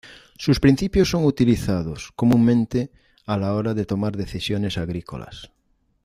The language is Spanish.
Sus principios son utilizados, comúnmente, a la hora de tomar decisiones agrícolas.